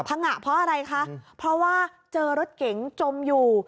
งะเพราะอะไรคะเพราะว่าเจอรถเก๋งจมอยู่